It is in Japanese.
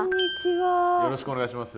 よろしくお願いします。